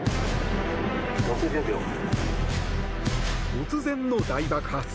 突然の大爆発。